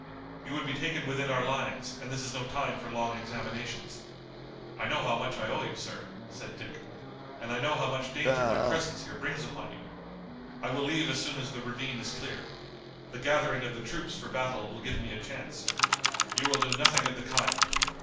You would be taken within our lines and this is no time for long examinations." "I know how much I owe you, sir," said Dick, "and I know how much danger my presence here brings upon you. I will leave as soon as the ravine is clear. The gathering of the troops for battle will give me a chance." "You will do nothing of the kind.